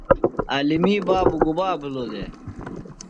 عالمی بابوۡ گُبا بِھلو دےۡ؟